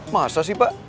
masa sih pak